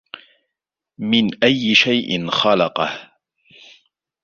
من أي شيء خلقه